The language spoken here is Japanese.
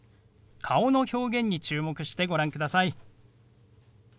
顔の表現に注目してご覧ください。